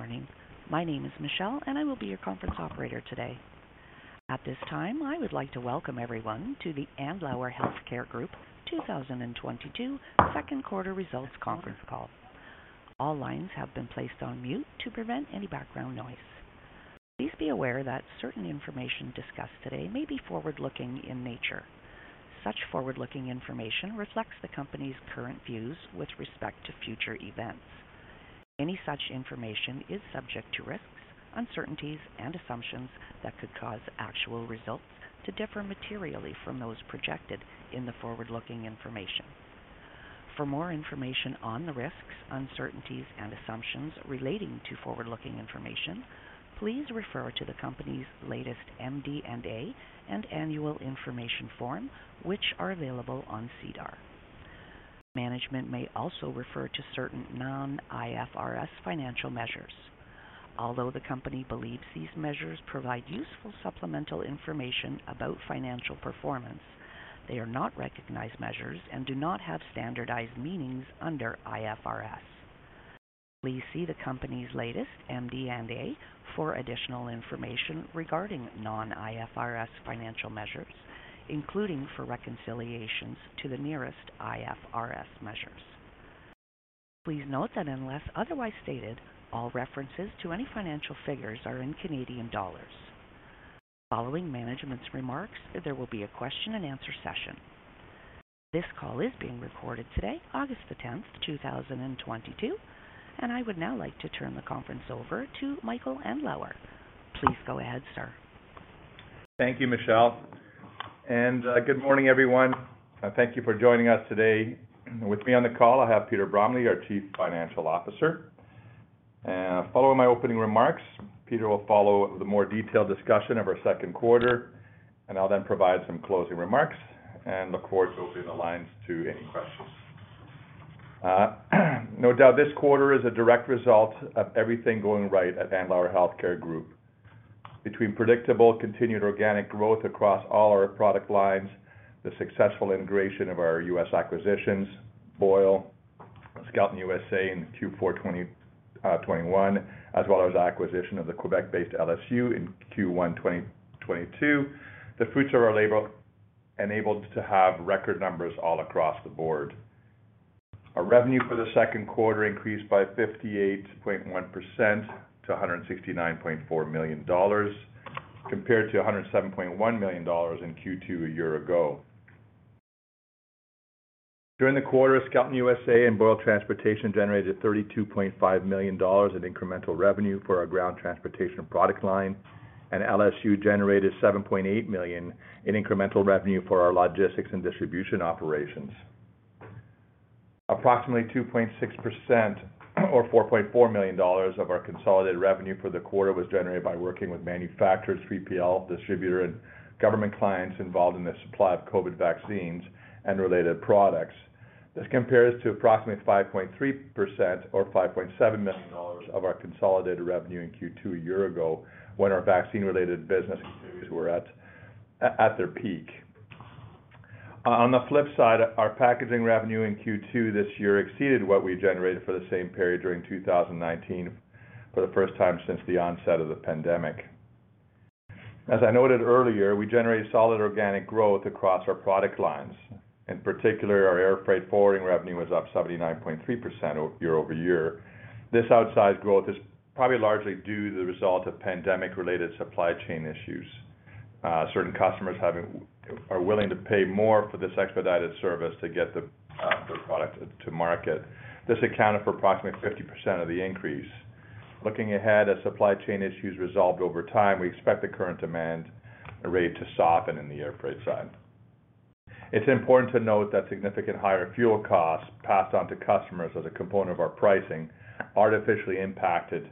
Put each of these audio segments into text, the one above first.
Good morning. My name is Michelle, and I will be your conference operator today. At this time, I would like to welcome everyone to the Andlauer Healthcare Group 2022 second quarter results conference call. All lines have been placed on mute to prevent any background noise. Please be aware that certain information discussed today may be forward-looking in nature. Such forward-looking information reflects the company's current views with respect to future events. Any such information is subject to risks, uncertainties, and assumptions that could cause actual results to differ materially from those projected in the forward-looking information. For more information on the risks, uncertainties, and assumptions relating to forward-looking information, please refer to the company's latest MD&A and Annual Information Form, which are available on SEDAR. Management may also refer to certain non-IFRS financial measures. Although the company believes these measures provide useful supplemental information about financial performance, they are not recognized measures and do not have standardized meanings under IFRS. Please see the company's latest MD&A for additional information regarding non-IFRS financial measures, including for reconciliations to the nearest IFRS measures. Please note that unless otherwise stated, all references to any financial figures are in Canadian dollars. Following management's remarks, there will be a question-and-answer session. This call is being recorded today, August 10th, 2022, and I would now like to turn the conference over to Michael Andlauer. Please go ahead, sir. Thank you, Michelle, and good morning, everyone. Thank you for joining us today. With me on the call, I have Peter Bromley, our Chief Financial Officer. Following my opening remarks, Peter will follow with a more detailed discussion of our second quarter, and I'll then provide some closing remarks and look forward to opening the lines to any questions. No doubt, this quarter is a direct result of everything going right at Andlauer Healthcare Group. Between predictable continued organic growth across all our product lines, the successful integration of our U.S. acquisitions, Boyle, Skelton USA in Q4 2021, as well as acquisition of the Quebec-based LSU in Q1 2022, the fruits of our labor enabled us to have record numbers all across the board. Our revenue for the second quarter increased by 58.1% to 169.4 million dollars compared to 107.1 million dollars in Q2 a year ago. During the quarter, Skelton USA and Boyle Transportation generated 32.5 million dollars in incremental revenue for our ground transportation product line, and LSU generated 7.8 million in incremental revenue for our logistics and distribution operations. Approximately 2.6% or 4.4 million dollars of our consolidated revenue for the quarter was generated by working with manufacturers, 3PL distributor, and government clients involved in the supply of COVID vaccines and related products. This compares to approximately 5.3% or 5.7 million dollars of our consolidated revenue in Q2 a year ago when our vaccine-related business were at their peak. On the flip side, our packaging revenue in Q2 this year exceeded what we generated for the same period during 2019 for the first time since the onset of the pandemic. As I noted earlier, we generated solid organic growth across our product lines. In particular, our air freight forwarding revenue was up 79.3% year-over-year. This outsized growth is probably largely due to the result of pandemic-related supply chain issues. Certain customers are willing to pay more for this expedited service to get their product to market. This accounted for approximately 50% of the increase. Looking ahead, as supply chain issues resolved over time, we expect the current demand rate to soften in the airfreight side. It's important to note that significant higher fuel costs passed on to customers as a component of our pricing artificially impacted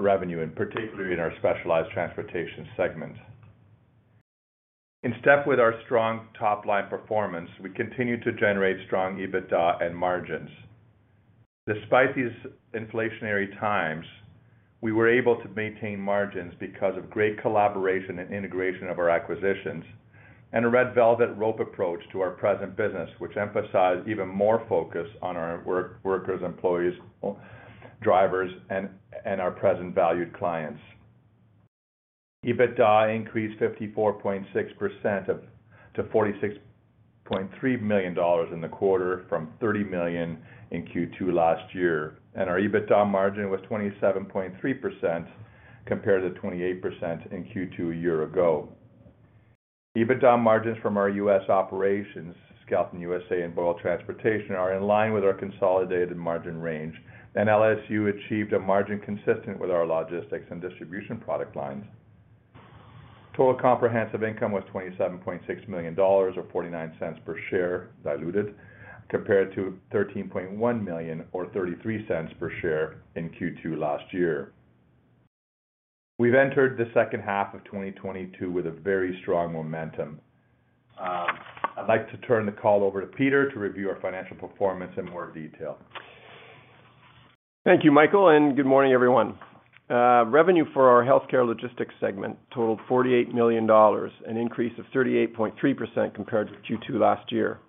revenue particularly in our specialized transportation segment. In step with our strong top-line performance, we continue to generate strong EBITDA and margins. Despite these inflationary times, we were able to maintain margins because of great collaboration and integration of our acquisitions and a red velvet rope approach to our present business, which emphasized even more focus on our workers, employees, drivers, and our present valued clients. EBITDA increased 54.6% to 46.3 million dollars in the quarter from 30 million in Q2 last year, and our EBITDA margin was 27.3% compared to 28% in Q2 a year ago. EBITDA margins from our US operations, Skelton USA and Boyle Transportation, are in line with our consolidated margin range, and LSU achieved a margin consistent with our logistics and distribution product lines. Total comprehensive income was 27.6 million dollars, or 0.49 per share diluted, compared to 13.1 million or 0.33 per share in Q2 last year. We've entered the second half of 2022 with a very strong momentum. I'd like to turn the call over to Peter to review our financial performance in more detail. Thank you, Michael, and good morning, everyone. Revenue for our healthcare logistics segment totaled 48 million dollars, an increase of 38.3% compared to Q2 last year.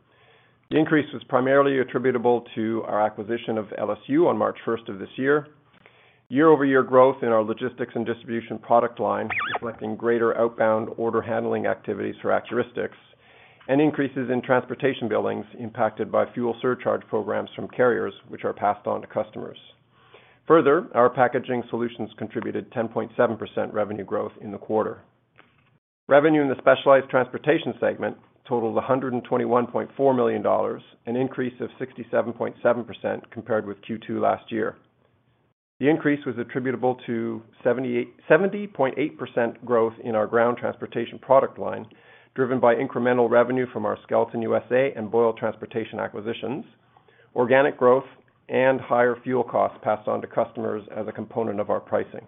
The increase was primarily attributable to our acquisition of LSU on March first of this year. Year-over-year growth in our logistics and distribution product line, reflecting greater outbound order handling activities for Accuristix, and increases in transportation billings impacted by fuel surcharge programs from carriers which are passed on to customers. Further, our packaging solutions contributed 10.7% revenue growth in the quarter. Revenue in the specialized transportation segment totaled 121.4 million dollars, an increase of 67.7% compared with Q2 last year. The increase was attributable to 70.8% growth in our ground transportation product line, driven by incremental revenue from our Skelton USA and Boyle Transportation acquisitions, organic growth and higher fuel costs passed on to customers as a component of our pricing.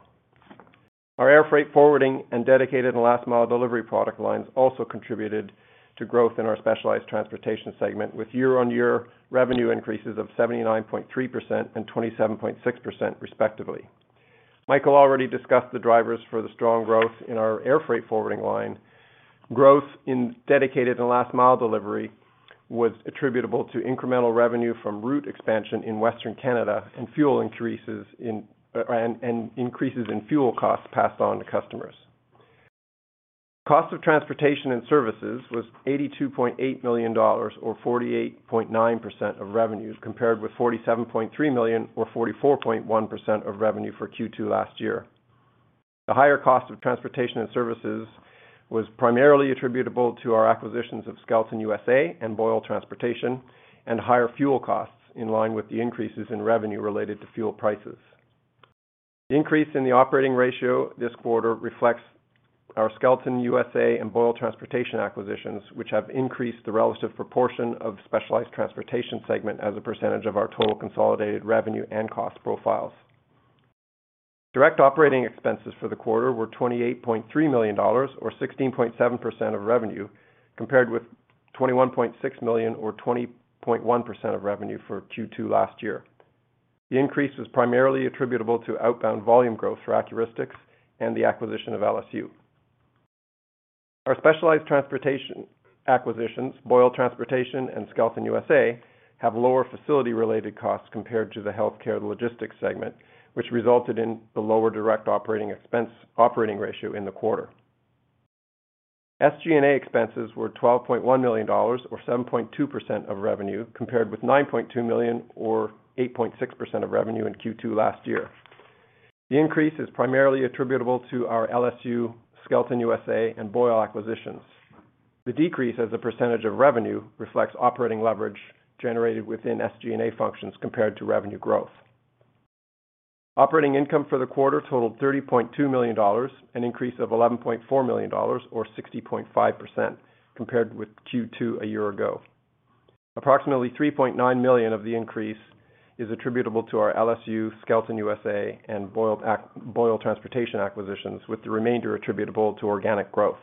Our air freight forwarding and dedicated and last mile delivery product lines also contributed to growth in our specialized transportation segment, with year-on-year revenue increases of 79.3% and 27.6% respectively. Michael already discussed the drivers for the strong growth in our air freight forwarding line. Growth in dedicated and last mile delivery was attributable to incremental revenue from route expansion in Western Canada and increases in fuel costs passed on to customers. Cost of transportation and services was 82.8 million dollars or 48.9% of revenue, compared with 47.3 million or 44.1% of revenue for Q2 last year. The higher cost of transportation and services was primarily attributable to our acquisitions of Skelton USA and Boyle Transportation, and higher fuel costs in line with the increases in revenue related to fuel prices. The increase in the operating ratio this quarter reflects our Skelton USA and Boyle Transportation acquisitions, which have increased the relative proportion of specialized transportation segment as a percentage of our total consolidated revenue and cost profiles. Direct operating expenses for the quarter were 28.3 million dollars or 16.7% of revenue, compared with 21.6 million or 20.1% of revenue for Q2 last year. The increase was primarily attributable to outbound volume growth for Accuristix and the acquisition of LSU. Our specialized transportation acquisitions, Boyle Transportation and Skelton USA, have lower facility-related costs compared to the healthcare logistics segment, which resulted in the lower direct operating expense operating ratio in the quarter. SG&A expenses were 12.1 million dollars or 7.2% of revenue, compared with 9.2 million or 8.6% of revenue in Q2 last year. The increase is primarily attributable to our LSU, Skelton USA, and Boyle acquisitions. The decrease as a percentage of revenue reflects operating leverage generated within SG&A functions compared to revenue growth. Operating income for the quarter totaled 30.2 million dollars, an increase of 11.4 million dollars or 60.5% compared with Q2 a year ago. Approximately 3.9 million of the increase is attributable to our LSU, Skelton USA, and Boyle Transportation acquisitions, with the remainder attributable to organic growth.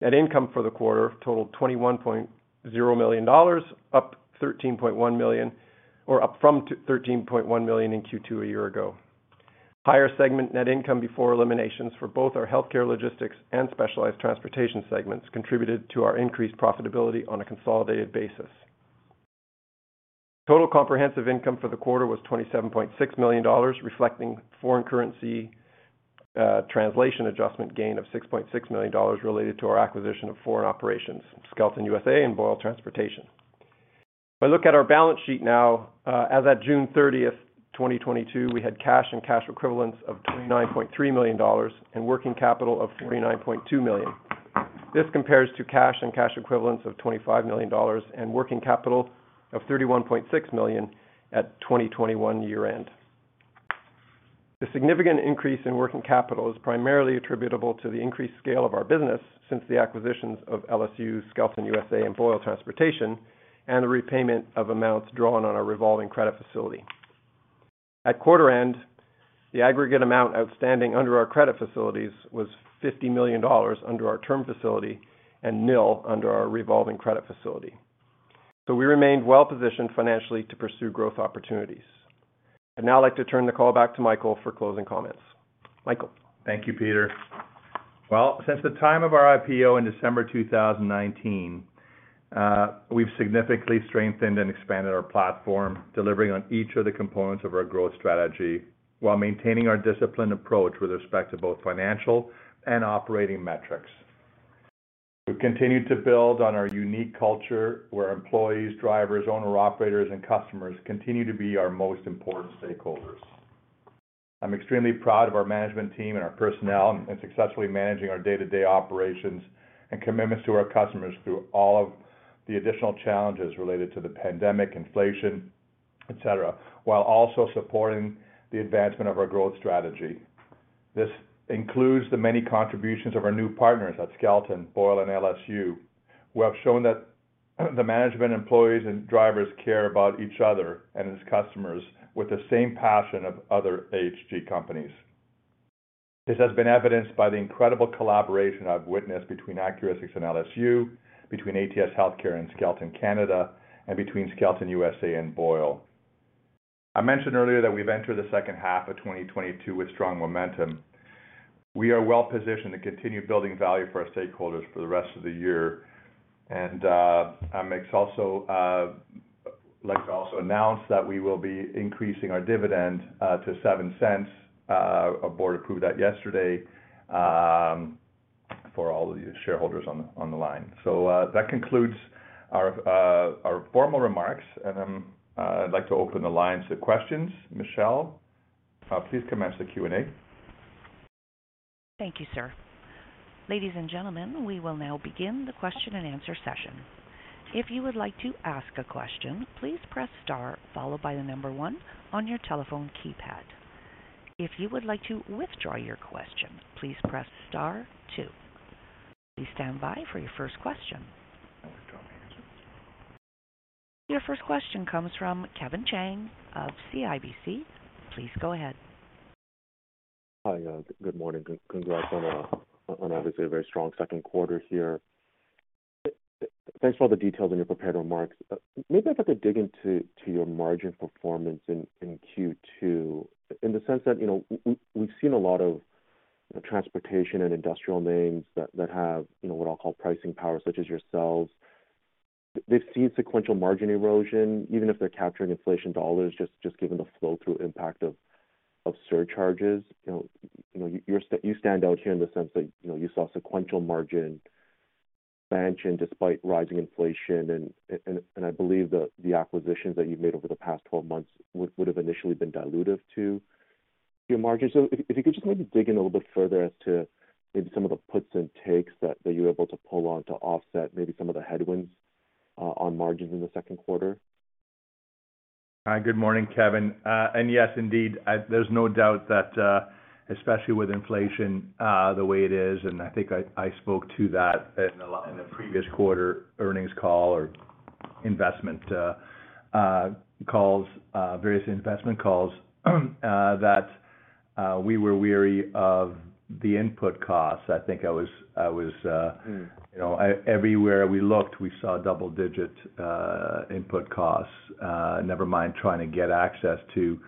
Net income for the quarter totaled 21.0 million dollars, up 13.1 million, or up from 13.1 million in Q2 a year ago. Higher segment net income before eliminations for both our healthcare logistics and specialized transportation segments contributed to our increased profitability on a consolidated basis. Total comprehensive income for the quarter was 27.6 million dollars, reflecting foreign currency translation adjustment gain of 6.6 million dollars related to our acquisition of foreign operations, Skelton USA and Boyle Transportation. If I look at our balance sheet now, as at June 30, 2022, we had cash and cash equivalents of 29.3 million dollars and working capital of 49.2 million. This compares to cash and cash equivalents of 25 million dollars and working capital of 31.6 million at 2021 year end. The significant increase in working capital is primarily attributable to the increased scale of our business since the acquisitions of LSU, Skelton USA, and Boyle Transportation, and the repayment of amounts drawn on our revolving credit facility. At quarter end, the aggregate amount outstanding under our credit facilities was 50 million dollars under our term facility and nil under our revolving credit facility. We remained well positioned financially to pursue growth opportunities. I'd now like to turn the call back to Michael for closing comments. Michael. Thank you, Peter. Well, since the time of our IPO in December 2019, we've significantly strengthened and expanded our platform, delivering on each of the components of our growth strategy while maintaining our disciplined approach with respect to both financial and operating metrics. We've continued to build on our unique culture where employees, drivers, owner operators, and customers continue to be our most important stakeholders. I'm extremely proud of our management team and our personnel in successfully managing our day-to-day operations and commitments to our customers through all of the additional challenges related to the pandemic, inflation, et cetera, while also supporting the advancement of our growth strategy. This includes the many contributions of our new partners at Skelton, Boyle and LSU, who have shown that the management employees and drivers care about each other and its customers with the same passion of other AHG companies. This has been evidenced by the incredible collaboration I've witnessed between Accuristix and LSU, between ATS Healthcare and Skelton Canada, and between Skelton USA and Boyle. I mentioned earlier that we've entered the second half of 2022 with strong momentum. We are well positioned to continue building value for our stakeholders for the rest of the year. I'd like to also announce that we will be increasing our dividend to 0.07. Our board approved that yesterday for all the shareholders on the line. That concludes our formal remarks. I'd like to open the line to questions. Michelle, please commence the Q&A. Thank you, sir. Ladies and gentlemen, we will now begin the question-and-answer session. If you would like to ask a question, please press star followed by the number one on your telephone keypad. If you would like to withdraw your question, please press star two. Please stand by for your first question. Withdraw answers. Your first question comes from Kevin Chiang of CIBC. Please go ahead. Hi. Good morning. Congrats on obviously a very strong second quarter here. Thanks for all the details in your prepared remarks. Maybe if I could dig into your margin performance in Q2 in the sense that, you know, we've seen a lot of transportation and industrial names that have, you know, what I'll call pricing power, such as yourselves. They've seen sequential margin erosion, even if they're capturing inflation dollars, just given the flow-through impact of surcharges. You know, you stand out here in the sense that, you know, you saw sequential margin expansion despite rising inflation. I believe the acquisitions that you've made over the past 12 months would have initially been dilutive to your margins. If you could just maybe dig in a little bit further as to maybe some of the puts and takes that you were able to pull on to offset maybe some of the headwinds on margins in the second quarter. Hi. Good morning, Kevin. Yes, indeed, there's no doubt that, especially with inflation, the way it is, and I think I spoke to that a lot in the previous quarter earnings call or various investment calls, that we were wary of the input costs. I think I was, you know, everywhere we looked, we saw double-digit input costs, never mind trying to get access to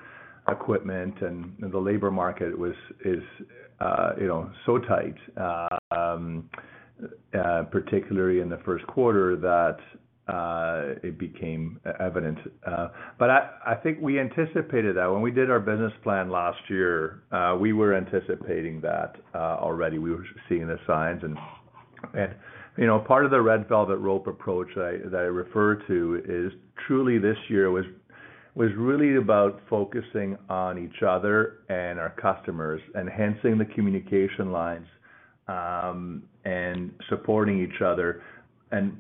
equipment. The labor market was, you know, so tight, particularly in the first quarter, that it became evident. I think we anticipated that. When we did our business plan last year, we were anticipating that already. We were seeing the signs. You know, part of the red velvet rope approach that I refer to is truly this year was really about focusing on each other and our customers, enhancing the communication lines, and supporting each other.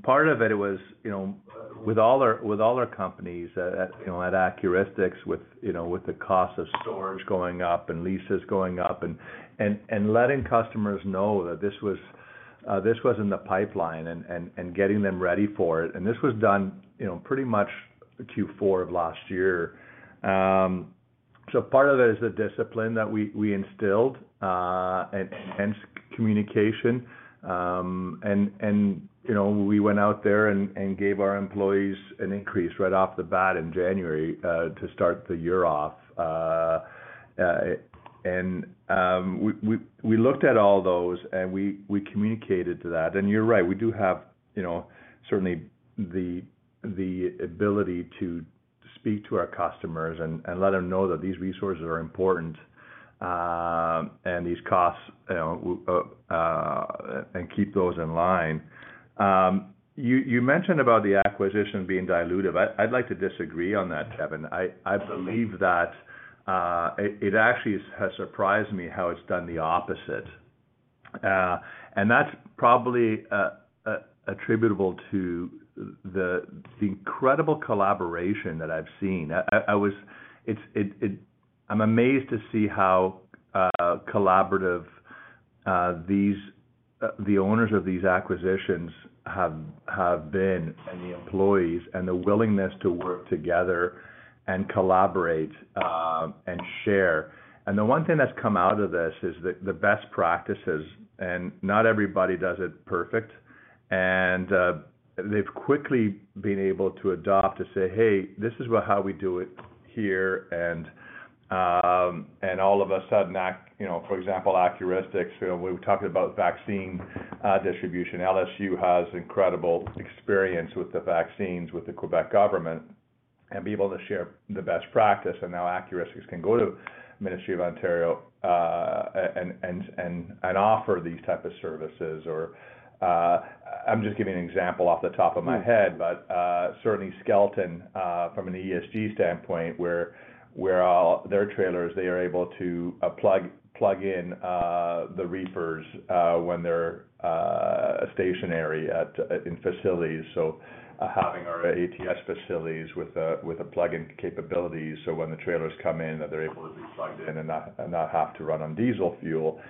Part of it was, you know, with all our companies, you know, at Accuristix with, you know, with the cost of storage going up and leases going up and letting customers know that this was in the pipeline and getting them ready for it. This was done, you know, pretty much Q4 of last year. Part of that is the discipline that we instilled, enhanced communication. You know, we went out there and gave our employees an increase right off the bat in January to start the year off. We looked at all those, and we communicated to that. You're right, we do have, you know, certainly the ability to speak to our customers and let them know that these resources are important, and these costs, you know, and keep those in line. You mentioned about the acquisition being dilutive. I'd like to disagree on that, Kevin. I believe that it actually has surprised me how it's done the opposite. That's probably attributable to the incredible collaboration that I've seen. I'm amazed to see how collaborative these the owners of these acquisitions have been, and the employees, and the willingness to work together and collaborate, and share. The one thing that's come out of this is the best practices, and not everybody does it perfect. They've quickly been able to adapt to say, "Hey, this is how we do it here." All of a sudden. You know, for example, Accuristix, you know, we've talked about vaccine distribution. LSU has incredible experience with the vaccines with the Quebec government and be able to share the best practice. Now Accuristix can go to Ministry of Ontario, and offer these type of services or. I'm just giving you an example off the top of my head. Certainly Skelton from an ESG standpoint, where all their trailers they are able to plug in the reefers when they're stationary in facilities. Having our ATS facilities with a plug-in capability, so when the trailers come in, that they're able to be plugged in and not have to run on diesel fuel.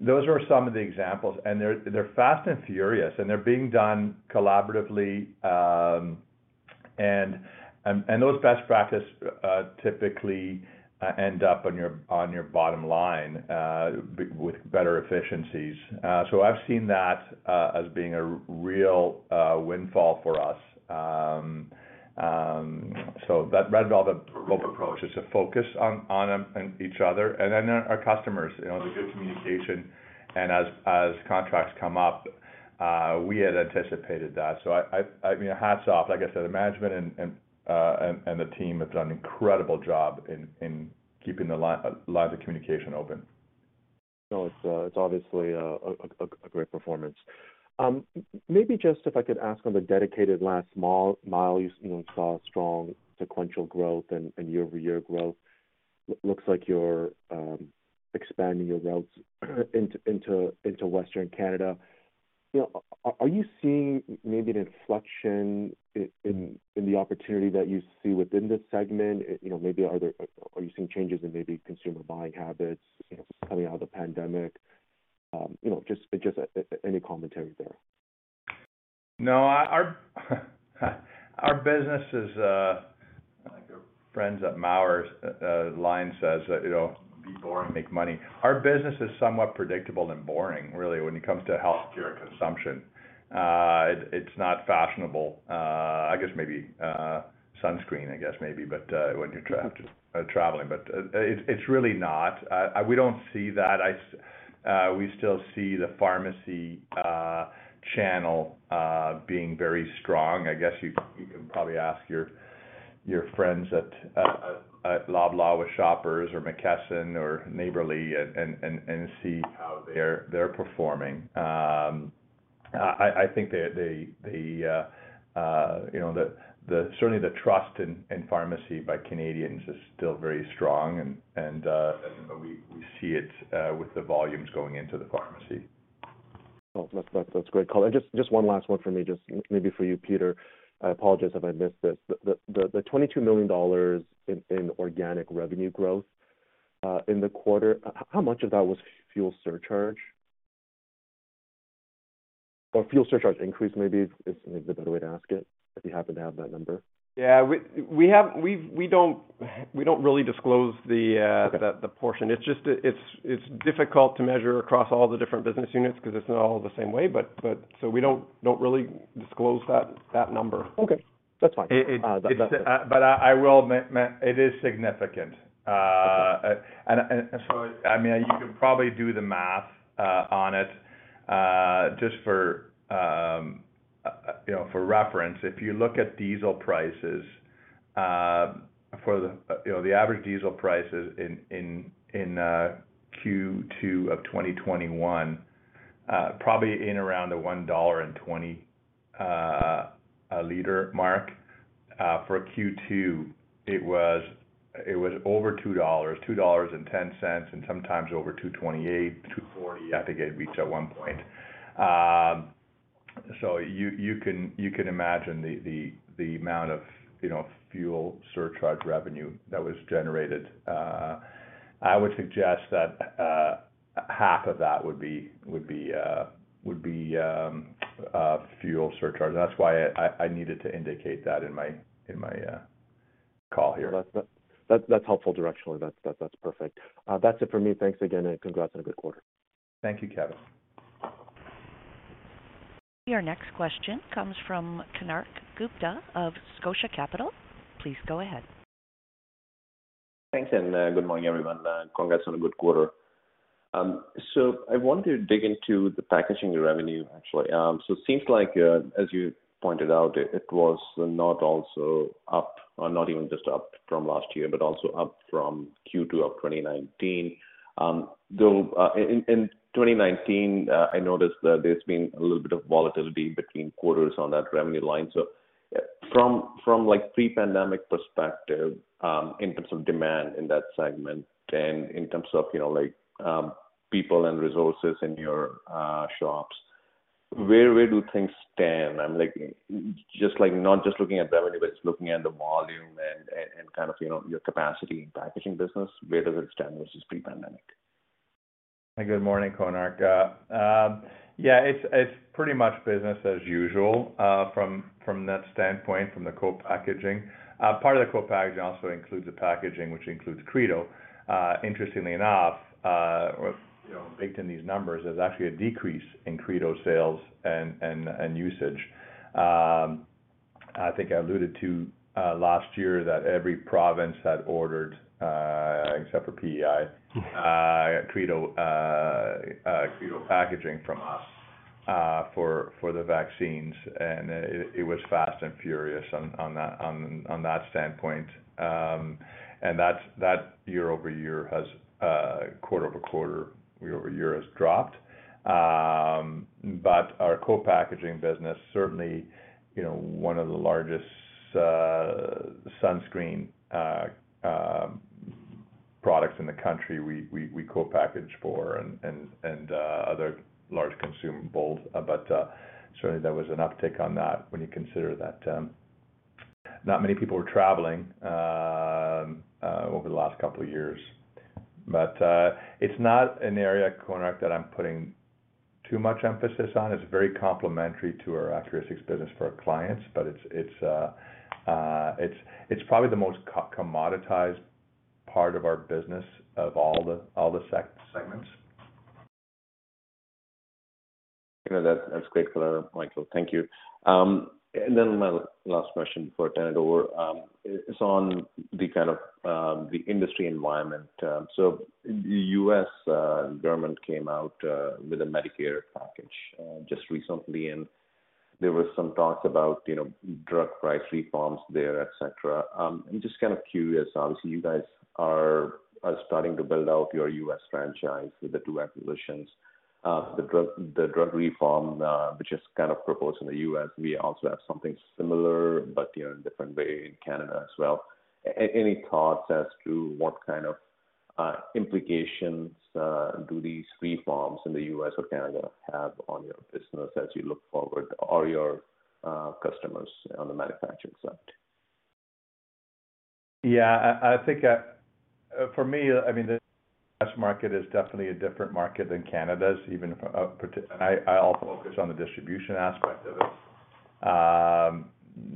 Those are some of the examples, and they're fast and furious, and they're being done collaboratively, and those best practices typically end up on your bottom line with better efficiencies. I've seen that as being a real windfall for us. That red velvet rope approach is a focus on each other and then our customers, you know, the good communication and as contracts come up, we had anticipated that. I mean, hats off, like I said, the management and the team have done an incredible job in keeping the line of communication open. No, it's obviously a great performance. Maybe just if I could ask on the dedicated last mile you saw strong sequential growth and year-over-year growth. Looks like you're expanding your routes into Western Canada. You know, are you seeing maybe an inflection in the opportunity that you see within this segment? You know, are you seeing changes in maybe consumer buying habits, you know, coming out of the pandemic? You know, just any commentary there. No, our business is like our friends at Mullen's line says that, you know, "Be boring, make money." Our business is somewhat predictable and boring, really, when it comes to healthcare consumption. It's not fashionable. I guess maybe sunscreen, I guess maybe, but when you're traveling, but it's really not. We don't see that. We still see the pharmacy channel being very strong. I guess you can probably ask your friends at Loblaw with Shoppers or McKesson or Neighborly and see how they're performing. I think you know, certainly the trust in pharmacy by Canadians is still very strong and we see it with the volumes going into the pharmacy. Well, that's great, Konark. Just one last one for me, just maybe for you, Peter. I apologize if I missed this. The 22 million dollars in organic revenue growth in the quarter, how much of that was fuel surcharge? Or fuel surcharge increase maybe is maybe the better way to ask it, if you happen to have that number. Yeah, we don't really disclose the portion. Okay. It's just difficult to measure across all the different business units 'cause it's not all the same way, but so we don't really disclose that number. Okay, that's fine. It's. That's it. It is significant. Okay. I mean, you can probably do the math on it, just for you know for reference. If you look at diesel prices for the you know the average diesel prices in Q2 of 2021, probably around the 1.20 dollar per liter mark. For Q2, it was over 2 dollars, 2.10 dollars, and sometimes over 2.28, 2.40, I think it reached at one point. So you can imagine the amount of you know fuel surcharge revenue that was generated. I would suggest that half of that would be fuel surcharge. That's why I needed to indicate that in my call here. That's helpful directionally. That's perfect. That's it for me. Thanks again, and congrats on a good quarter. Thank you, Kevin. Your next question comes from Konark Gupta of Scotia Capital. Please go ahead. Thanks and good morning, everyone. Congrats on a good quarter. I want to dig into the packaging revenue, actually. It seems like, as you pointed out, it was not also up, or not even just up from last year, but also up from Q2 of 2019. In 2019, I noticed that there's been a little bit of volatility between quarters on that revenue line. From a pre-pandemic perspective, in terms of demand in that segment and in terms of, you know, like, people and resources in your shops, where do things stand? I'm like, just, like, not just looking at revenue, but looking at the volume and kind of, you know, your capacity in packaging business, where does it stand versus pre-pandemic? Good morning, Konark. It's pretty much business as usual from that standpoint, from the co-packaging. Part of the co-packaging also includes the packaging, which includes Credo. Interestingly enough, you know, baked in these numbers, there's actually a decrease in Credo sales and usage. I think I alluded to last year that every province had ordered, except for PEI, Credo packaging from us for the vaccines. It was fast and furious on that standpoint. That's dropped year-over-year, quarter-over-quarter. Our co-packaging business, certainly, you know, one of the largest sunscreen products in the country, we co-package for and other large consumables. Certainly there was an uptick on that when you consider that, not many people were traveling over the last couple of years. It's not an area, Konark, that I'm putting too much emphasis on. It's very complementary to our Accuristix business for our clients, but it's probably the most commoditized part of our business of all the segments. You know that's great, Michael. Thank you. My last question before I turn it over is on the kind of the industry environment. The U.S. government came out with a Medicare package just recently, and there were some talks about, you know, drug price reforms there, et cetera. I'm just kind of curious, obviously, you guys are starting to build out your U.S. franchise with the two acquisitions. The drug reform, which is kind of proposed in the U.S. We also have something similar, but in a different way in Canada as well. Any thoughts as to what kind of implications do these reforms in the U.S. or Canada have on your business as you look forward or your customers on the manufacturing side? Yeah, I think, for me, I mean, the U.S. market is definitely a different market than Canada's even. I'll focus on the distribution aspect of it.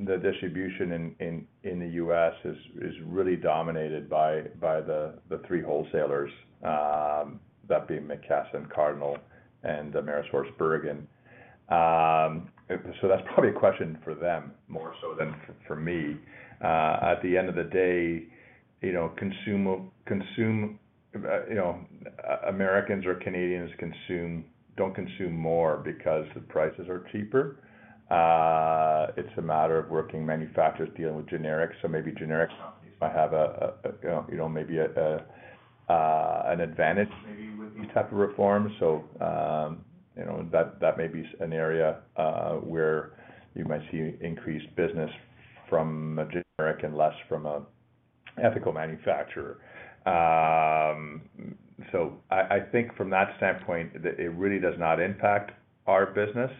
The distribution in the U.S. is really dominated by the three wholesalers, that being McKesson, Cardinal, and AmerisourceBergen. That's probably a question for them more so than for me. At the end of the day, you know, Americans or Canadians don't consume more because the prices are cheaper. It's a matter of drug manufacturers dealing with generics. Maybe generic companies might have, you know, an advantage maybe with these type of reforms. You know, that may be an area where you might see increased business from a generic and less from ethical manufacturer. I think from that standpoint, it really does not impact our business.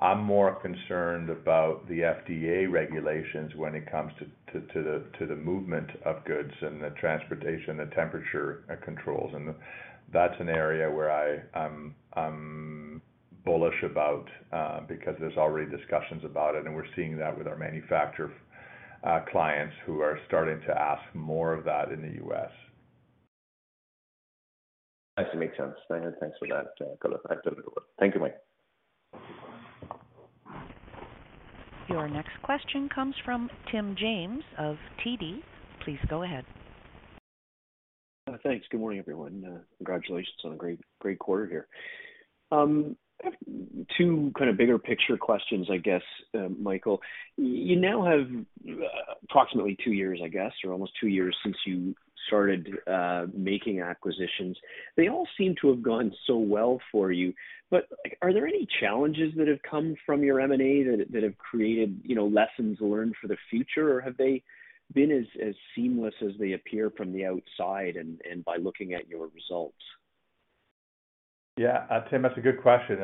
I'm more concerned about the FDA regulations when it comes to the movement of goods and the transportation, the temperature controls. That's an area where I'm bullish about, because there's already discussions about it, and we're seeing that with our manufacturer clients who are starting to ask more of that in the U.S. That makes sense. Thanks for that. I'll turn it over. Thank you, Mike. Your next question comes from Tim James of TD. Please go ahead. Thanks. Good morning, everyone. Congratulations on a great quarter here. Two kind of bigger picture questions, I guess, Michael. You now have approximately two years, I guess, or almost two years since you started making acquisitions. They all seem to have gone so well for you, but are there any challenges that have come from your M&A that have created, you know, lessons learned for the future, or have they been as seamless as they appear from the outside and by looking at your results? Yeah. Tim, that's a good question.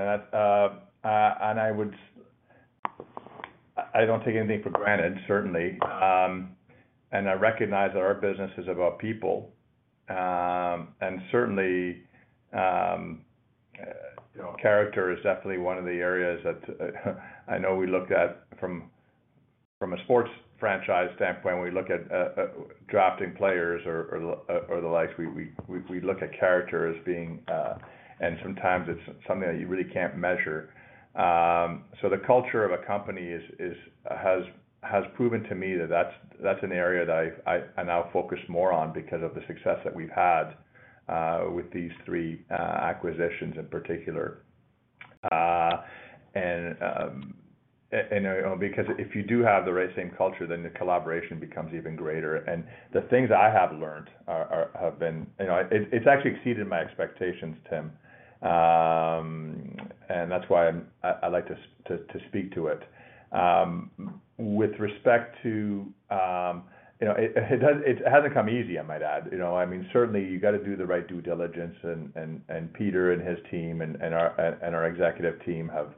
I don't take anything for granted, certainly. I recognize that our business is about people. Character is definitely one of the areas that I know we look at from a sports franchise standpoint. We look at drafting players or the likes. We look at character as being, and sometimes it's something that you really can't measure. The culture of a company has proven to me that that's an area that I now focus more on because of the success that we've had with these three acquisitions in particular. Because if you do have the right same culture, then the collaboration becomes even greater. The things I have learned have been, you know, it's actually exceeded my expectations, Tim. That's why I like to speak to it. With respect to, you know, it hasn't come easy, I might add. You know, I mean, certainly you got to do the right due diligence. Peter and his team and our executive team have,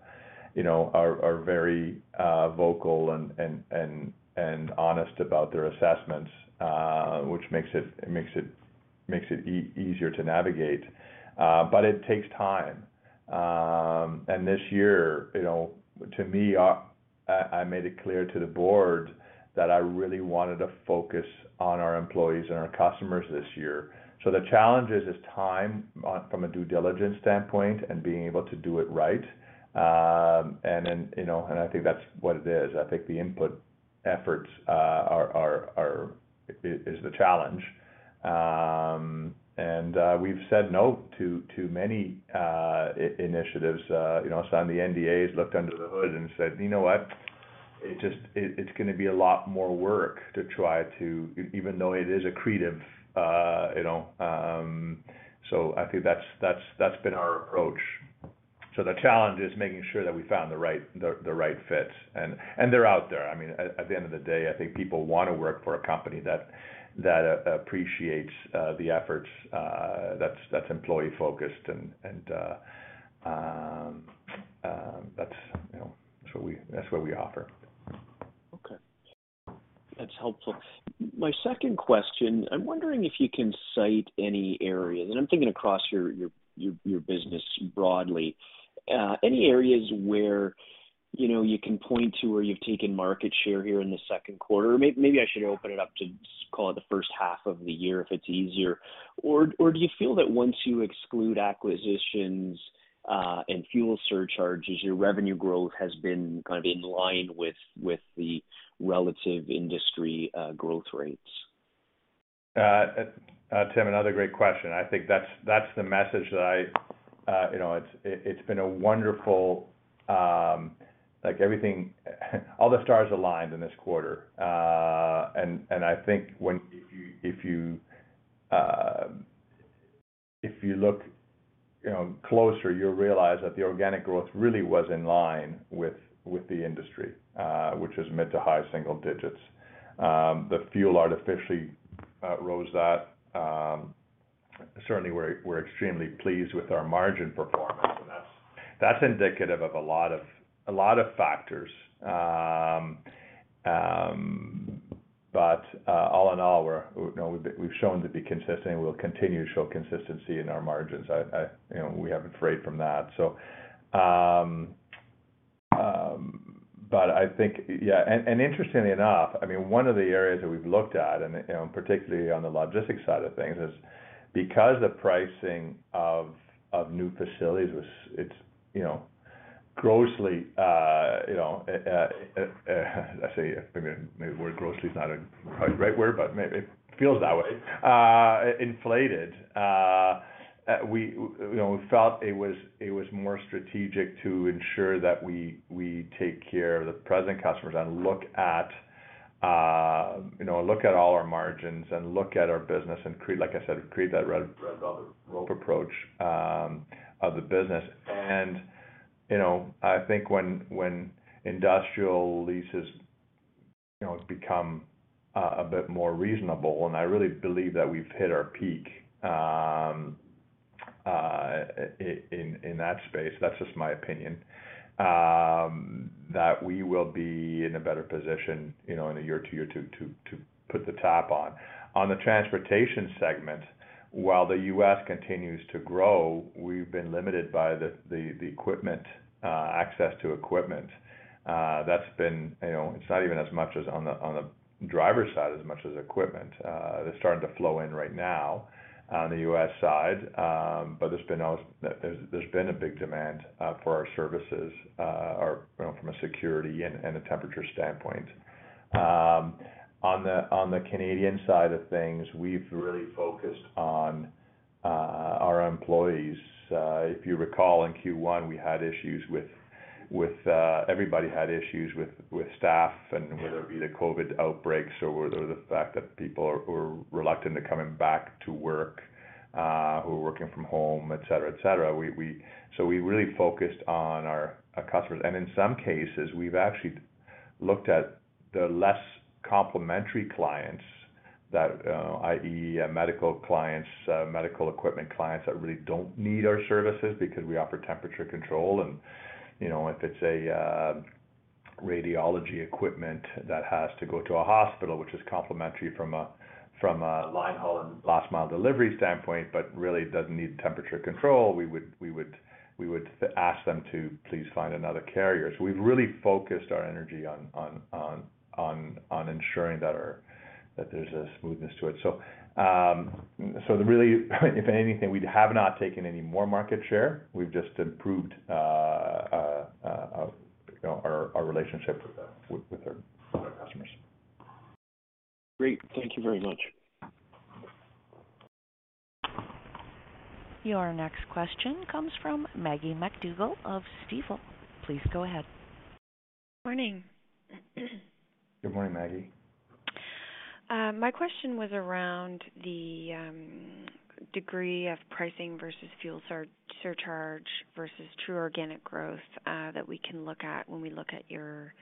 you know, are very vocal and honest about their assessments, which makes it easier to navigate, but it takes time. This year, you know, to me, I made it clear to the board that I really wanted to focus on our employees and our customers this year. The challenge is time from a due diligence standpoint and being able to do it right. I think that's what it is. I think the input efforts is the challenge. We've said no to many initiatives, you know, sign the NDAs, looked under the hood and said, "You know what? It it's gonna be a lot more work to try to, even though it is accretive," you know. I think that's been our approach. The challenge is making sure that we found the right, the right fit, and they're out there. I mean, at the end of the day, I think people want to work for a company that appreciates the efforts, that's employee-focused and that's, you know, what we offer. Okay. That's helpful. My second question, I'm wondering if you can cite any areas, and I'm thinking across your business broadly, you know, any areas where you can point to where you've taken market share here in the second quarter. Maybe I should open it up to call it the first half of the year, if it's easier. Or do you feel that once you exclude acquisitions and fuel surcharges, your revenue growth has been kind of in line with the relative industry growth rates? Tim, another great question. I think that's the message that, you know, it's been a wonderful, like everything. All the stars aligned in this quarter. I think if you look, you know, closer, you'll realize that the organic growth really was in line with the industry, which was mid- to high-single digits%. The fuel artificially rose that. Certainly we're extremely pleased with our margin performance. That's indicative of a lot of factors. All in all, we're, you know, we've shown to be consistent, and we'll continue to show consistency in our margins. I, you know, we haven't strayed from that. Interestingly enough, I mean, one of the areas that we've looked at, you know, particularly on the logistics side of things, is because the pricing of new facilities was, it's, you know, grossly. I say maybe the word grossly is not probably the right word, but it feels that way, inflated. You know, we felt it was more strategic to ensure that we take care of the present customers and look at, you know, look at all our margins and look at our business and create, like I said, that red velvet rope approach of the business. You know, I think when industrial leases, you know, it's become a bit more reasonable, and I really believe that we've hit our peak in that space. That's just my opinion. That we will be in a better position, you know, in a year or two year to put the top on. On the transportation segment, while the U.S. continues to grow, we've been limited by the equipment access to equipment. That's been, you know, it's not even as much as on the driver's side as much as equipment. They're starting to flow in right now on the U.S. side. But there's been a big demand for our services, or, you know, from a security and a temperature standpoint. On the Canadian side of things, we've really focused on our employees. If you recall, in Q1, we had issues with staff and whether it be the COVID outbreaks or the fact that people were reluctant to coming back to work, who were working from home, et cetera. We really focused on our customers. In some cases, we've actually looked at the less complementary clients that i.e. medical clients, medical equipment clients that really don't need our services because we offer temperature control. You know, if it's a radiology equipment that has to go to a hospital, which is complementary from a linehaul and last mile delivery standpoint, but really doesn't need temperature control, we would ask them to please find another carrier. We've really focused our energy on ensuring that there's a smoothness to it. Really, if anything, we have not taken any more market share. We've just improved, you know, our relationship with our customers. Great. Thank you very much. Your next question comes from Maggie MacDougall of Stifel. Please go ahead. Morning. Good morning, Maggie. My question was around the degree of pricing versus fuel surcharge versus true organic growth that we can look at when we look at your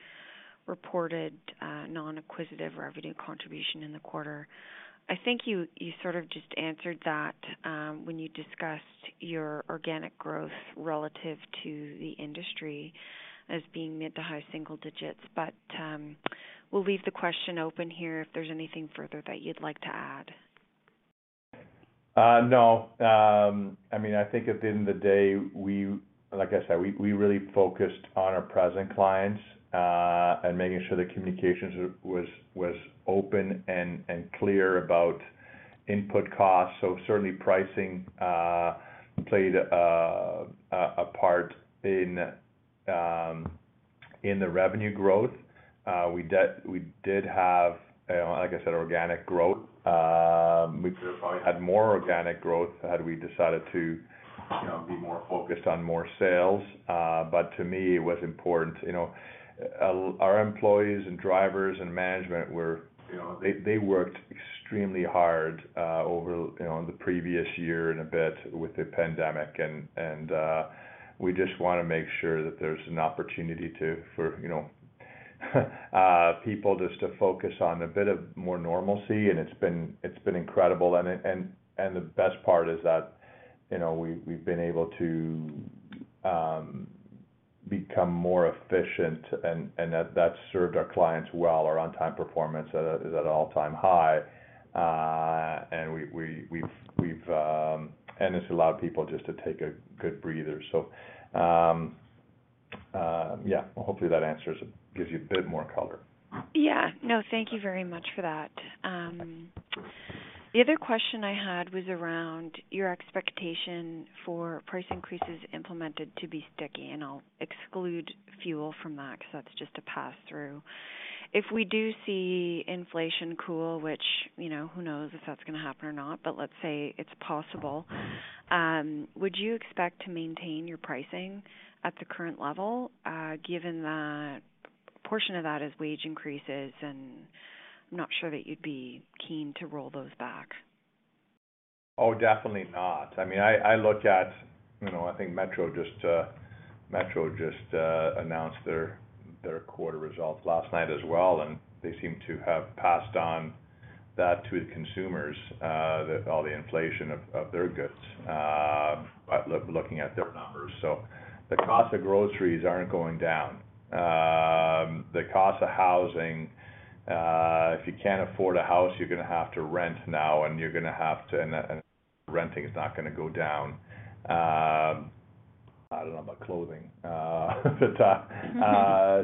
reported non-acquisitive revenue contribution in the quarter. I think you sort of just answered that when you discussed your organic growth relative to the industry as being mid- to high-single digits. We'll leave the question open here if there's anything further that you'd like to add. No. I mean, I think at the end of the day, like I said, we really focused on our present clients and making sure the communication was open and clear about input costs. Certainly pricing played a part in the revenue growth. We did have, like I said, organic growth. We could have probably had more organic growth had we decided to, you know, be more focused on more sales. To me, it was important. You know, our employees and drivers and management were, you know, they worked extremely hard over, you know, the previous year and a bit with the pandemic. We just wanna make sure that there's an opportunity for, you know, people just to focus on a bit more normalcy. It's been incredible. The best part is that, you know, we've been able to become more efficient and that's served our clients well. Our on-time performance is at an all-time high. It's allowed people just to take a good breather. Yeah. Well, hopefully that gives you a bit more color. Yeah. No, thank you very much for that. The other question I had was around your expectation for price increases implemented to be sticky, and I'll exclude fuel from that because that's just a pass-through. If we do see inflation cool, which, you know, who knows if that's gonna happen or not, but let's say it's possible, would you expect to maintain your pricing at the current level, given that portion of that is wage increases, and I'm not sure that you'd be keen to roll those back? Oh, definitely not. I mean, I look at, you know, I think Metro just announced their quarter results last night as well, and they seem to have passed on that to the consumers, that all the inflation of their goods by looking at their numbers. The cost of groceries aren't going down. The cost of housing, if you can't afford a house, you're gonna have to rent now, and renting is not gonna go down. I don't know about clothing, but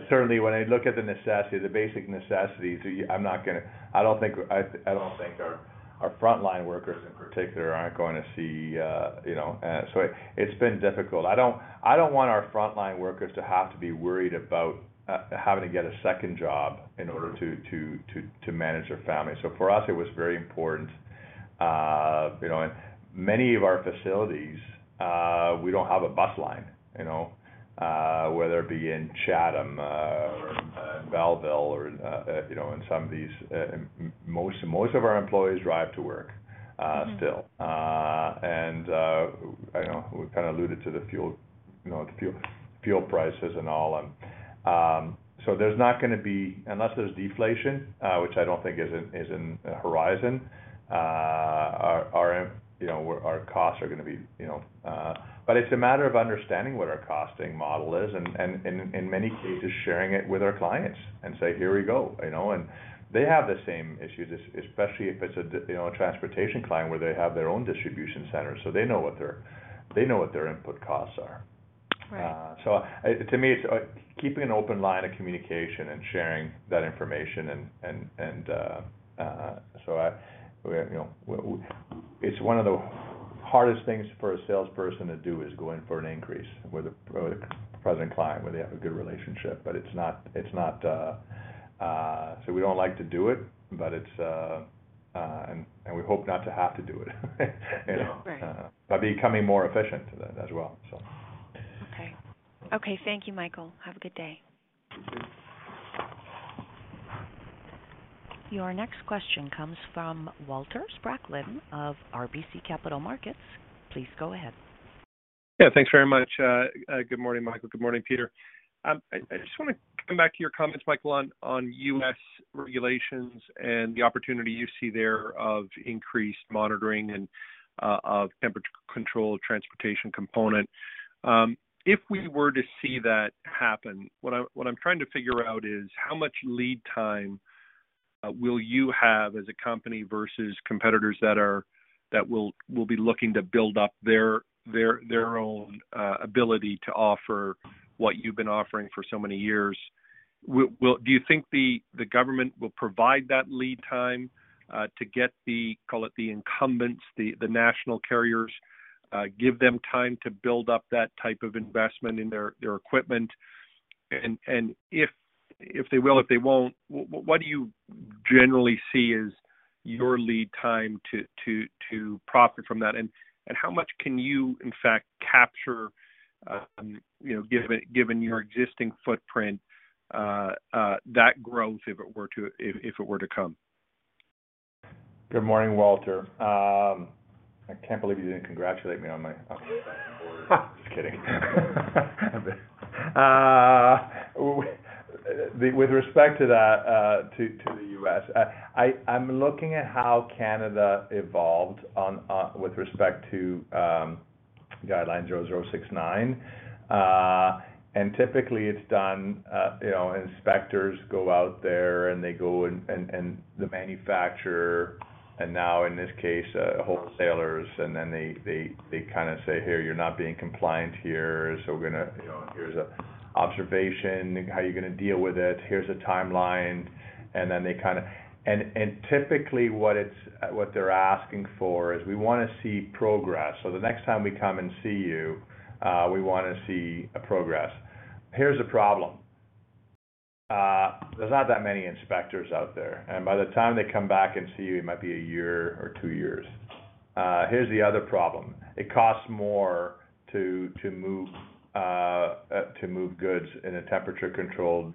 certainly when I look at the necessities, the basic necessities, I don't think our frontline workers in particular aren't going to see, you know. It's been difficult. I don't want our frontline workers to have to be worried about having to get a second job in order to manage their family. For us, it was very important. You know, and many of our facilities, we don't have a bus line. You know, whether it be in Chatham or in Belleville or, you know, in some of these. Most of our employees drive to work. Mm-hmm. Still, you know, we kind of alluded to the fuel prices and all. There's not gonna be. Unless there's deflation, which I don't think is in the horizon, our costs are gonna be, you know. But it's a matter of understanding what our costing model is and in many cases, sharing it with our clients and say, "Here we go." You know? They have the same issues, especially if it's a transportation client where they have their own distribution centers, so they know what their input costs are. Right. To me, it's keeping an open line of communication and sharing that information and we're, you know. It's one of the hardest things for a salesperson to do, is go in for an increase with a present client where they have a good relationship. It's not. We don't like to do it, but it's. We hope not to have to do it, you know. Right. By becoming more efficient as well, so. Okay. Okay, thank you, Michael. Have a good day. Thank you. Your next question comes from Walter Spracklin of RBC Capital Markets. Please go ahead. Yeah, thanks very much. Good morning, Michael. Good morning, Peter. I just wanna come back to your comments, Michael, on U.S. regulations and the opportunity you see there of increased monitoring and of temperature-controlled transportation component. If we were to see that happen, what I'm trying to figure out is how much lead time will you have as a company versus competitors that will be looking to build up their own ability to offer what you've been offering for so many years. Well, do you think the government will provide that lead time to get the, call it, the incumbents, the national carriers, give them time to build up that type of investment in their equipment? If they will, if they won't, what do you generally see as your lead time to profit from that? How much can you in fact capture, you know, given your existing footprint, that growth, if it were to come? Good morning, Walter. I can't believe you didn't congratulate me on my second quarter. Just kidding. With respect to that, to the US, I'm looking at how Canada evolved with respect to GUI-0069. Typically it's done, you know, inspectors go out there and they go and the manufacturer, and now in this case, wholesalers. Then they kinda say, "Here, you're not being compliant here, so we're gonna, you know, here's a observation. How are you gonna deal with it? Here's a timeline." Typically, what they're asking for is, "We wanna see progress. So the next time we come and see you, we wanna see a progress." Here's the problem. There's not that many inspectors out there, and by the time they come back and see you, it might be a year or two years. Here's the other problem. It costs more to move goods in a temperature-controlled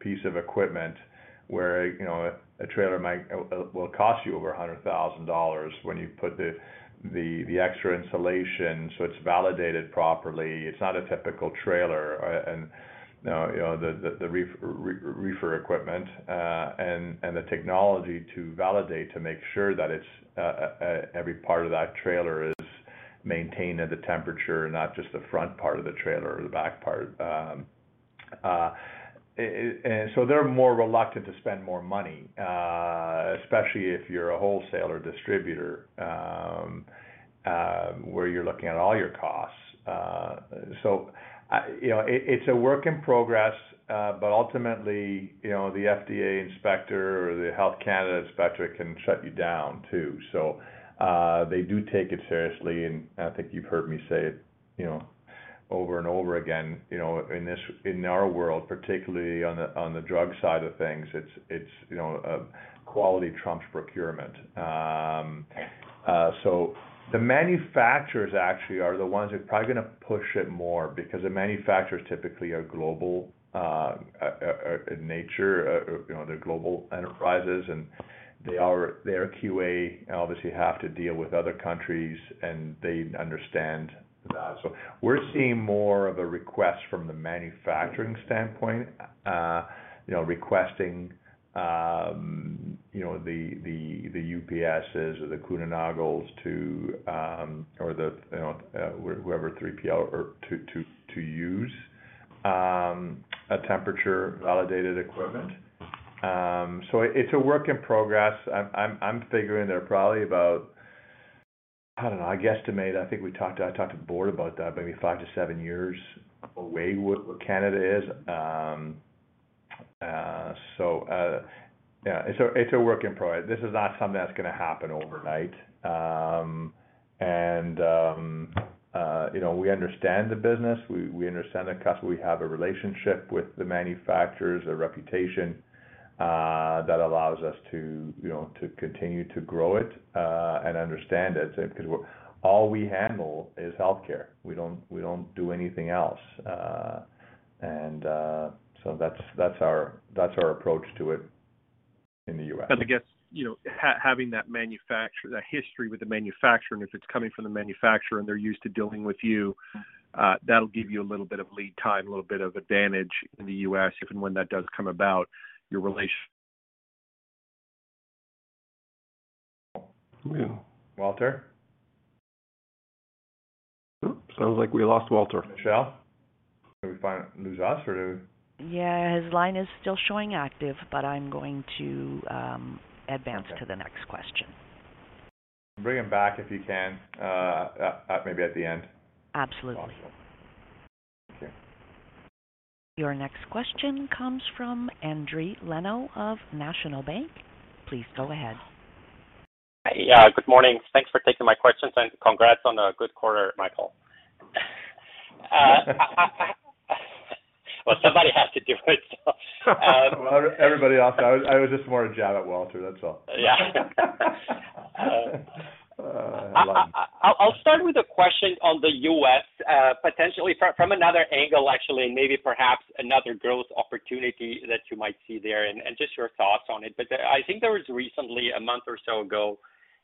piece of equipment where, you know, a trailer will cost you over 100,000 dollars when you put the extra insulation, so it's validated properly. It's not a typical trailer. You know, the reefer equipment and the technology to validate to make sure that every part of that trailer is maintained at the temperature, not just the front part of the trailer or the back part. They're more reluctant to spend more money, especially if you're a wholesale distributor, where you're looking at all your costs. It's a work in progress, but ultimately, you know, the FDA inspector or the Health Canada inspector can shut you down too. They do take it seriously, and I think you've heard me say it, you know, over and over again, you know, in our world, particularly on the drug side of things, it's you know quality trumps procurement. The manufacturers actually are the ones who are probably gonna push it more because the manufacturers typically are global in nature, you know, they're global enterprises, and their QA obviously have to deal with other countries, and they understand that. We're seeing more of a request from the manufacturing standpoint, you know, requesting, you know, the UPS's or the Kuehne+Nagels to, or the, you know, whoever 3PL or to use a temperature validated equipment. It's a work in progress. I'm figuring they're probably about, I don't know, I guesstimate, I think I talked to the board about that maybe 5-7 years away with where Canada is. Yeah, it's a work in progress. This is not something that's gonna happen overnight. You know, we understand the business. We understand the customer. We have a relationship with the manufacturers, a reputation that allows us to, you know, to continue to grow it and understand it because all we handle is healthcare. We don't do anything else. That's our approach to it in the US. I guess, you know, having that manufacturer, that history with the manufacturer, and if it's coming from the manufacturer, and they're used to dealing with you, that'll give you a little bit of lead time, a little bit of advantage in the U.S. if and when that does come about, your relation. Yeah. Walter? Sounds like we lost Walter. Michelle? Yeah. His line is still showing active, but I'm going to advance to the next question. Bring him back if you can, at maybe at the end. Absolutely. Awesome. Okay. Your next question comes from Endri Leno of National Bank Financial. Please go ahead. Yeah. Good morning. Thanks for taking my questions and congrats on a good quarter, Michael. Well, somebody has to do it, so. Everybody else, I was just more a jab at Walter, that's all. Yeah. I'll start with a question on the U.S., potentially from another angle, actually, maybe perhaps another growth opportunity that you might see there and just your thoughts on it. I think there was recently, a month or so ago,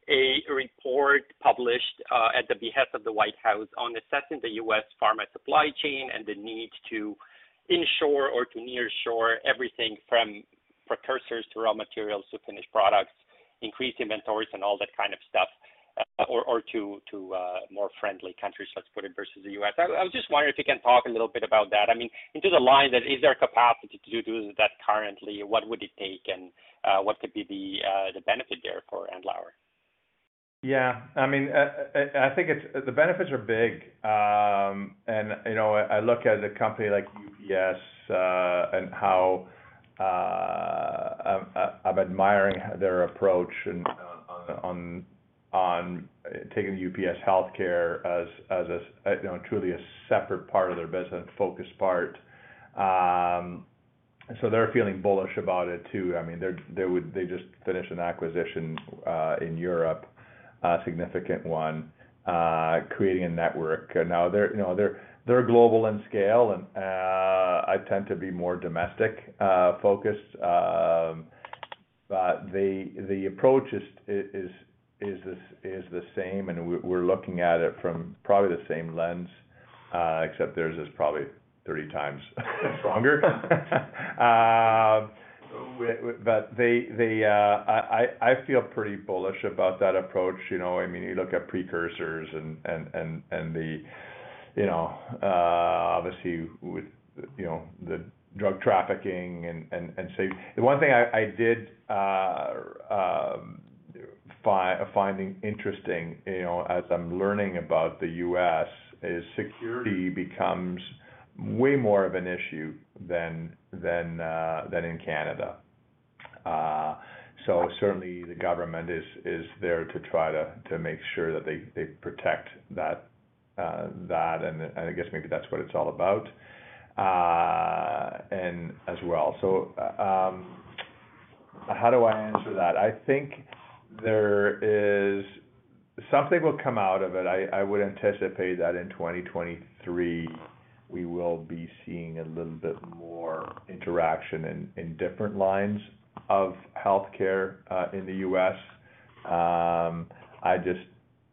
a report published at the behest of the White House on assessing the US Pharma Supply Chain and the need to onshore or to nearshore everything from precursors to raw materials to finished products, increase inventories and all that kind of stuff, or to more friendly countries, let's put it, versus the U.S. I was just wondering if you can talk a little bit about that. I mean, and to the extent that there's capacity to do that currently? What would it take and what could be the benefit there for Andlauer? Yeah. I mean, I think the benefits are big. You know, I look at a company like UPS and how I'm admiring their approach and on taking UPS Healthcare as, you know, truly a separate part of their business, focused part. They're feeling bullish about it too. I mean, they just finished an acquisition in Europe, a significant one, creating a network. Now they're, you know, global in scale, and I tend to be more domestic focused. The approach is the same, and we're looking at it from probably the same lens, except theirs is probably 30 times stronger. I feel pretty bullish about that approach. You know, I mean, you look at precursors, you know, obviously with, you know, the drug trafficking and safety. The one thing I did find interesting, you know, as I'm learning about the U.S., is security becomes way more of an issue than in Canada. Certainly the government is there to try to make sure that they protect that, and I guess maybe that's what it's all about, and as well. How do I answer that? I think there is. Something will come out of it. I would anticipate that in 2023 we will be seeing a little bit more interaction in different lines of healthcare in the U.S. I just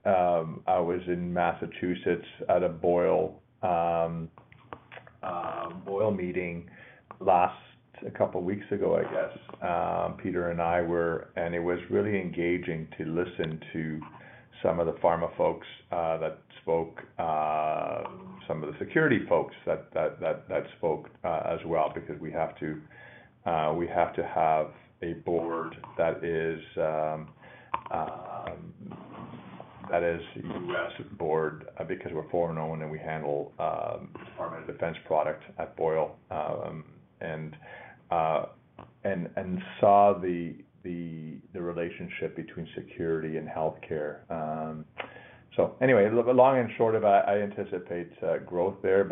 was in Massachusetts at a Boyle meeting last a couple weeks ago, I guess, Peter and I were. It was really engaging to listen to some of the pharma folks that spoke, some of the security folks that spoke, as well, because we have to have a board that is U.S. board because we're foreign-owned and we handle Department of Defense product at Boyle, and saw the relationship between security and healthcare. Anyway, long and short of it I anticipate growth there.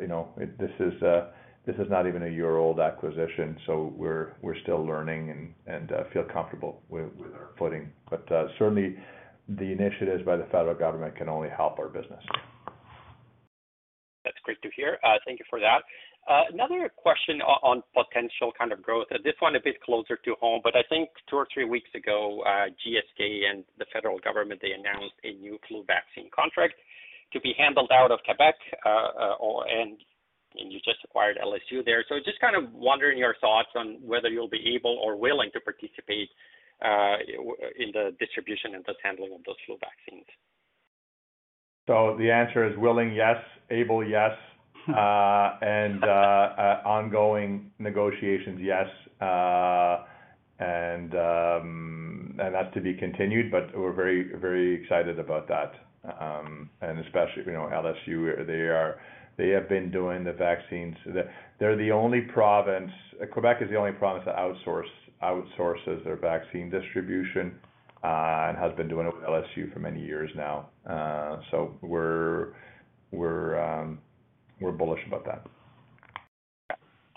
You know, this is not even a year old acquisition, so we're still learning and feel comfortable with our footing. Certainly the initiatives by the federal government can only help our business. That's great to hear. Thank you for that. Another question on potential kind of growth. This one a bit closer to home, but I think two or three weeks ago, GSK and the federal government, they announced a new flu vaccine contract to be handled out of Quebec. You just acquired LSU there. Just kind of wondering your thoughts on whether you'll be able or willing to participate in the distribution and the handling of those flu vaccines. The answer is willing, yes. Able, yes. Ongoing negotiations, yes. That's to be continued, but we're very, very excited about that. Especially, you know, LSU, they have been doing the vaccines. Quebec is the only province that outsources their vaccine distribution, and has been doing it with LSU for many years now. We're bullish about that.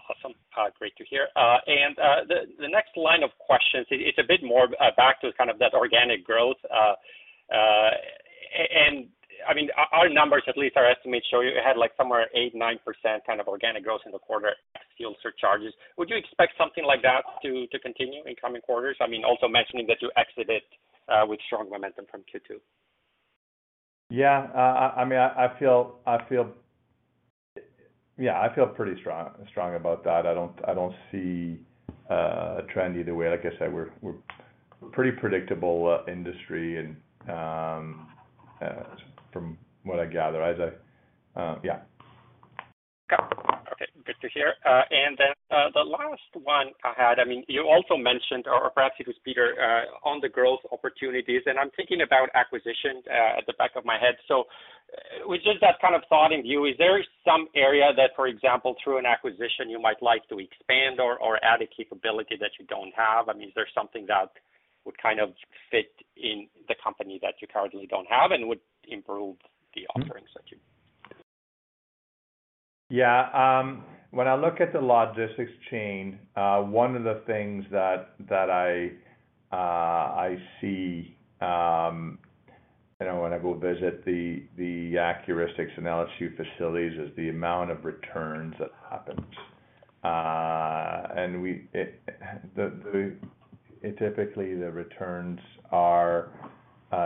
Awesome. Great to hear. The next line of questions, it's a bit more back to kind of that organic growth. And I mean, our numbers, at least our estimates show you had like somewhere 8%-9% kind of organic growth in the quarter fuel surcharges. Would you expect something like that to continue in coming quarters? I mean, also mentioning that you exited with strong momentum from Q2. Yeah. I mean, I feel pretty strong about that. I don't see a trend either way. Like I said, we're pretty predictable industry and from what I gather as a. Yeah. Okay. Good to hear. And then, the last one I had, I mean, you also mentioned, or perhaps it was Peter, on the growth opportunities, and I'm thinking about acquisitions, at the back of my head. With just that kind of thought in you, is there some area that, for example, through an acquisition you might like to expand or add a capability that you don't have? I mean, is there something that would kind of fit in the company that you currently don't have and would improve the offerings that you- Yeah. When I look at the logistics chain, one of the things that I see, you know, when I go visit the Accuristix and LSU facilities is the amount of returns that happens. Typically, the returns are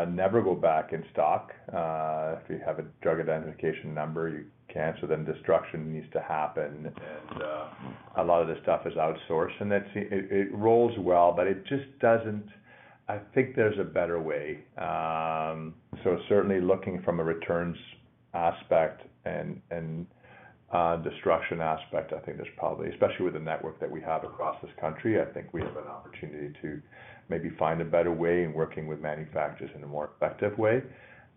never go back in stock. If you have a Drug Identification Number, you can't, so then destruction needs to happen. A lot of this stuff is outsourced, and it rolls well, but it just doesn't. I think there's a better way. Certainly looking from a returns aspect and destruction aspect, I think there's probably. Especially with the network that we have across this country, I think we have an opportunity to maybe find a better way in working with manufacturers in a more effective way.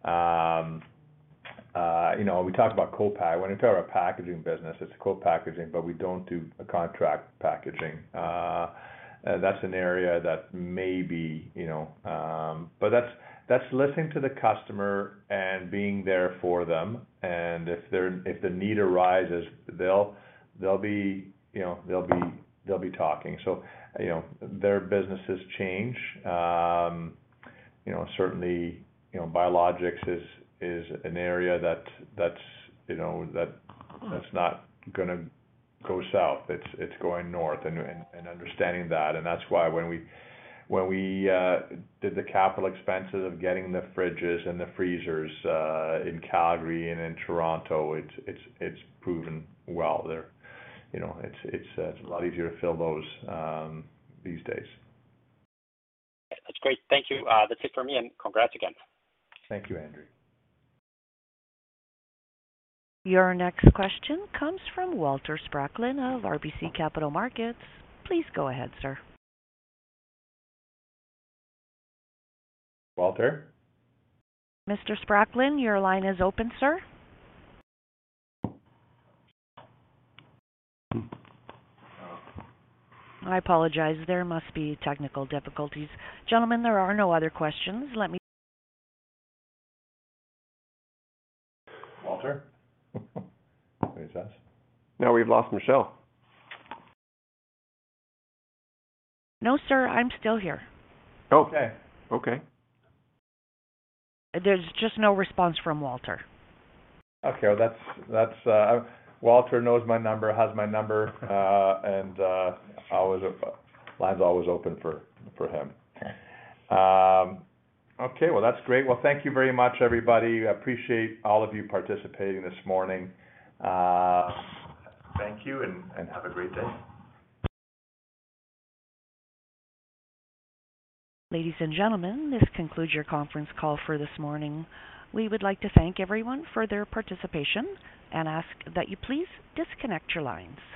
you know, we talk about co-pack. When you talk about our packaging business, it's co-packaging, but we don't do a contract packaging. That's an area that maybe, you know. That's listening to the customer and being there for them. If the need arises, they'll be, you know, they'll be talking. You know, their businesses change. You know, certainly, you know, biologics is an area that that's, you know, that's not gonna go south. It's going north and understanding that. That's why when we did the capital expenses of getting the fridges and the freezers in Calgary and in Toronto, it's proven well. They're, you know, it's a lot easier to fill those these days. That's great. Thank you. That's it for me, and congrats again. Thank you, Endri. Your next question comes from Walter Spracklin of RBC Capital Markets. Please go ahead, sir. Walter? Mr. Spracklin, your line is open, sir. I apologize. There must be technical difficulties. Gentlemen, there are no other questions. Walter? Can you hear us? Now we've lost Michelle. No, sir, I'm still here. Oh, okay. There's just no response from Walter. Okay. Well, that's. Walter knows my number, has my number, and line's always open for him. Okay. Well, that's great. Well, thank you very much, everybody. I appreciate all of you participating this morning. Thank you and have a great day. Ladies and gentlemen, this concludes your conference call for this morning. We would like to thank everyone for their participation and ask that you please disconnect your lines.